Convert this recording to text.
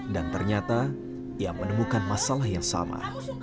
dan ternyata ia menemukan masalah yang sama